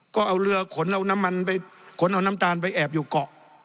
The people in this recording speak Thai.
ก็เอาเรือขนเอาน้ำมันไปขนเอาน้ำตาลไปแอบอยู่เกาะ